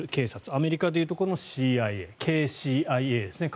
アメリカでいうところのＣＩＡＫＣＩＡですね。